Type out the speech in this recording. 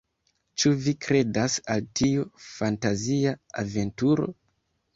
Ĉu vi kredas al tiu fantazia aventuro?